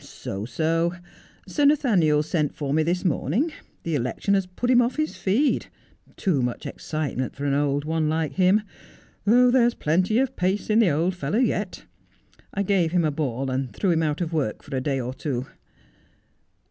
'So, so. Sir Nathaniel sent for me this morning. The election has put him off his feed — too much excitement for an old one like him — though there's plenty of pace in the old fellow yet. I gave him a ball and threw him out of work for a day or two.'